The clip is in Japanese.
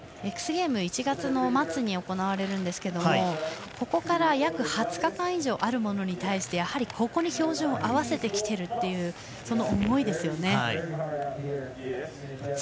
ＸＧＡＭＥＳ１月末に行われるんですけどここから約２０日間以上あるものに対してやはりここに照準を合わせてきているというその思いですよね。